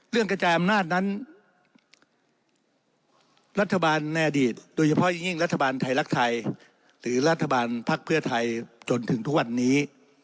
กระจายอำนาจนั้นรัฐบาลในอดีตโดยเฉพาะอย่างยิ่งรัฐบาลไทยรักไทยหรือรัฐบาลภักดิ์เพื่อไทยจนถึงทุกวันนี้